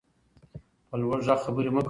په لوړ غږ خبرې مه کوئ.